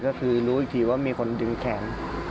ก็คือรู้อีกทีว่ามีคนดึงแขน